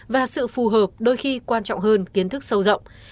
và sự phù hợp đôi khi quan trọng hơn kiến thức sâu rộng